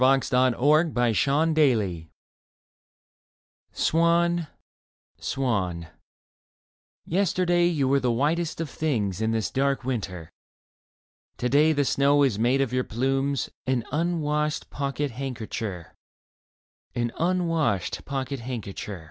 26 Leda VARIATIONS ON A THEME SWAN, Swan, Yesterday you were The whitest of things in this dark winter. To day the snow has made of your plumes An unwashed pocket handkercher, An unwashed pocket handkercher